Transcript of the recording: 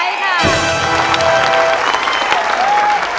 ไม่ใช้ค่ะ